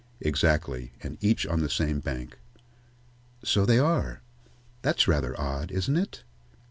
"Exactly, and each on the same bank." "So they are. That's rather odd; isn't it?"